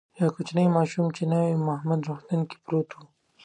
یو کوچنی ماشوم چی په نوی مهمند روغتون کی پروت دی